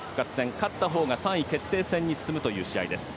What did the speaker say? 勝ったほうが３位決定戦に進むという試合です。